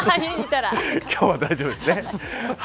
今日は大丈夫ですね。